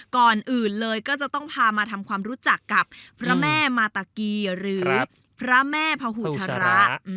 ก่อนอื่นเลยก็จะต้องพามาทำความรู้จักกับพระแม่มาตะกีหรือพระแม่พหูชระ